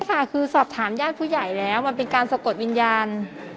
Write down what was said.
ใช่ค่ะคือสอบถามญาติผู้ใหญ่แล้วมันเป็นการสะกดวิญญาณ